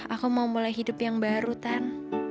aku mau mulai hidup yang baru kan